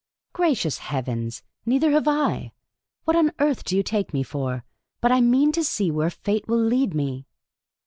" Gracious heavens, neither have I ! What on earth do you take me for ? But I mean to see where fate will lead me."